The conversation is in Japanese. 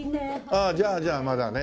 ああじゃあじゃあまだね。